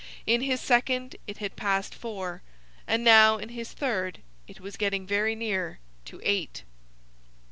In his second it had passed four. And now, in his third, it was getting very near to eight.